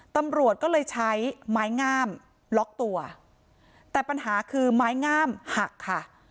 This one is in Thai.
ตำรวจก็เลยใช้ไม้งามล็อกตัวแต่ปัญหาคือไม้งามหักค่ะ